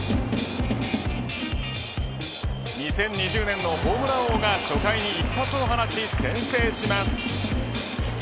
２０２０年のホームラン王が初回に一発を放ち先制します。